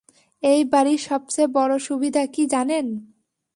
এই বাড়ির সবচেয়ে বড় সুবিধা কী, জানেন?